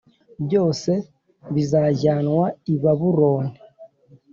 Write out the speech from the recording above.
byose bizajyanwa i Babiloni;